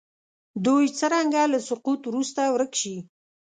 دوی څرنګه له سقوط وروسته ورک شي.